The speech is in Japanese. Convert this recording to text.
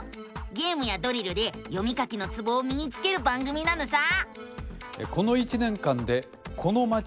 ゲームやドリルで読み書きのツボをみにつける番組なのさ！